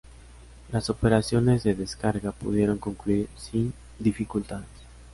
Las operaciones de descarga pudieron concluir sin dificultades.